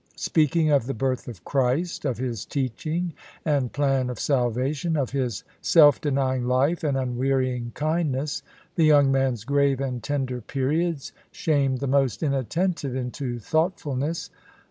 Speaking of the birth of Christ, of His teaching and plan of salvation, of His self denying life and unwearying kindness, the young man's grave and tender periods shamed the most inattentive into thoughtfulness.